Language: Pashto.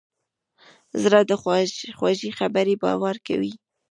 زړه د خوږې خبرې باور کوي.